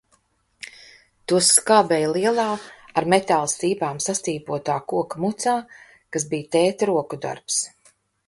Tos skābēja lielā, ar metāla stīpām sastīpotā koka mucā, kas bija tēta roku darbs.